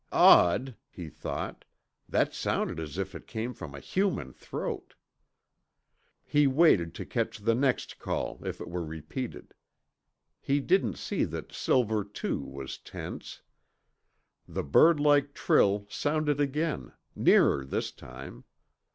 "Odd," he thought. "That sounded as if it came from a human throat." He waited to catch the next call if it were repeated. He didn't see that Silver, too, was tense. The birdlike trill sounded again, nearer this time.